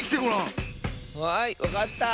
はいわかった！